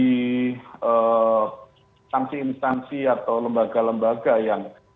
instansi instansi atau lembaga lembaga yang